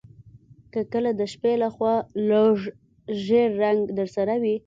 که کله د شپې لخوا لږ ژیړ رنګ درسره وي